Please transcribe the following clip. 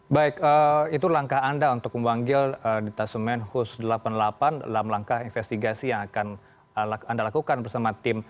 baik itu langkah anda untuk memanggil detasemen khusus delapan puluh delapan dalam langkah investigasi yang akan anda lakukan bersama tim